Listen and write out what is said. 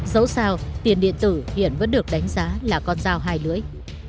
dẫu sao tiền điện tử hiện vẫn được đánh giá là con dao hai lưỡi